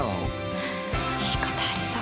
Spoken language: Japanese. はぁいいことありそう。